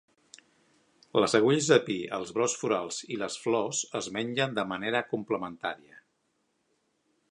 Les agulles de pi, els brots florals i les flors es mengen de manera complementària.